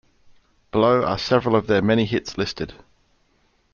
Below are several of their many hits listed.